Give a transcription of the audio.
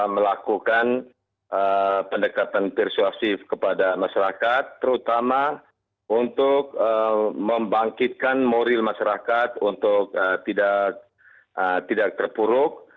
melakukan pendekatan persuasif kepada masyarakat terutama untuk membangkitkan moral masyarakat untuk tidak terpuruk